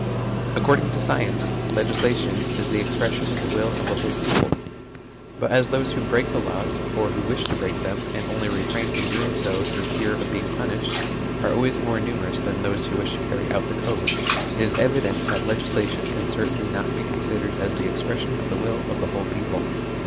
According to science, legislation is the expres sion of the will of the whole people ; but as LEGISLATION ORGANISED VIOLENCE 89 those who break the laws, or who wish to break them and only refrain from doing so through fear of being punished, are always more numerous than those who wish to carry out the code, it is evident that legislation can certainly not be considered as the expression of the will of the whole people.